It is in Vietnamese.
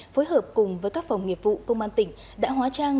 phối hợp cùng với các phòng nghiệp vụ công an tỉnh đã hóa trang